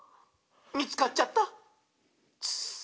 みつかっちゃった！」